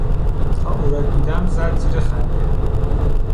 تا او را دیدم زد زیر خنده.